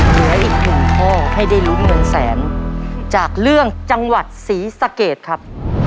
เกี่ยวของพ่อให้ได้รู้เหมือนแสนจากเรื่องจังหวัดศรีสะเกตครับ